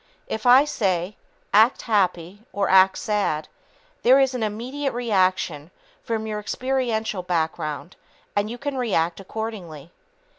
If I say, "Act happy" or "Act sad," there is an immediate reaction from your experiential background, and you can react accordingly.